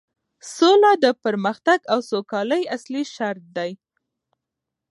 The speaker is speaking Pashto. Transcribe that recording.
سوله د پرمختګ او سوکالۍ اصلي شرط دی